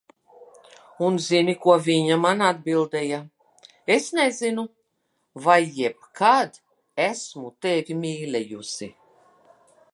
Un zini, ko viņa man atbildēja, "Es nezinu, vai jebkad esmu tevi mīlējusi."